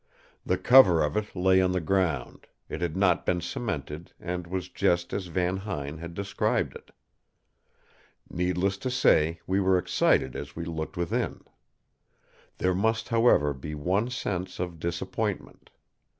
The cover of it lay on the ground; it had not been cemented, and was just as Van Huyn had described it. Needless to say, we were excited as we looked within. There must, however, be one sense of disappointment.